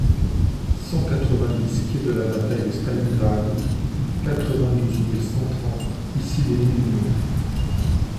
cent quatre-vingt-dix quai de la Bataille de Stalingrad, quatre-vingt-douze mille cent trente Issy-les-Moulineaux